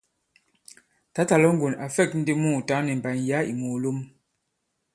Tǎtà Lɔ̌ŋgon à fɛ̂k ndi mùùtǎŋ nì mbàn yǎ ì mòòlom.